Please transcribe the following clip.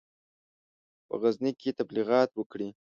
په غزني کې تبلیغات وکړي.